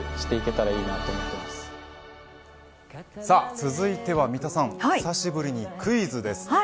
さあ続いては三田さん久しぶりにクイズです。